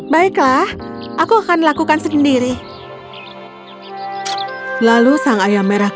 baiklah aku akan melakukan segera